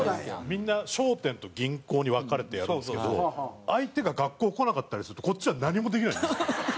みんな商店と銀行に分かれてやるんですけど相手が学校来なかったりするとこっちは何もできないんですよ。